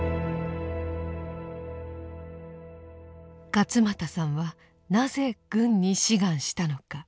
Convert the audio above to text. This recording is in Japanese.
勝又さんはなぜ軍に志願したのか。